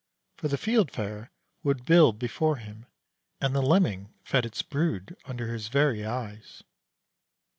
For the Fieldfare would build before him, and the Lemming fed its brood under his very eyes.